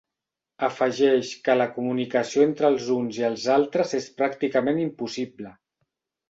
Afegeix que la comunicació entre els uns i els altres és pràcticament impossible.